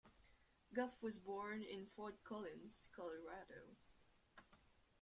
Goff was born in Fort Collins, Colorado.